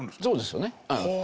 そうですよね。